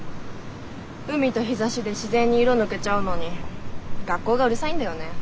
海と日ざしで自然に色抜けちゃうのに学校がうるさいんだよねぇ。